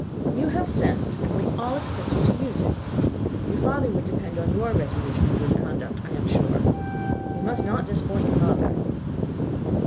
You have sense, and we all expect you to use it. Your father would depend on your resolution and good conduct, I am sure. You must not disappoint your father."